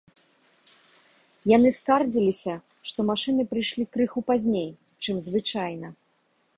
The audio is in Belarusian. Яны скардзіліся, што машыны прыйшлі крыху пазней, чым звычайна.